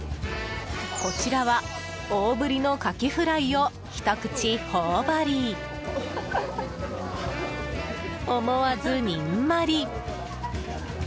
こちらは大ぶりのカキフライをひと口頬張り思わず、にんまり。